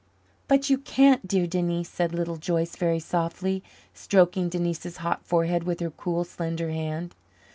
"But you can't, dear Denise," said Little Joyce very softly, stroking Denise's hot forehead with her cool, slender hand.